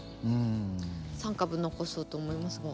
３株残そうと思いますが。